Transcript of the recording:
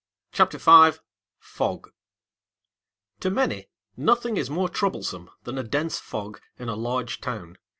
CHAPTER V FOG To many nothing is more troublesome than a dense fog in a large town.